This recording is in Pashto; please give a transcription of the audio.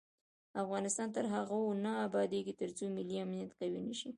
افغانستان تر هغو نه ابادیږي، ترڅو ملي امنیت قوي نشي.